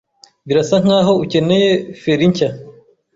Birasa nkaho ukeneye feri nshya.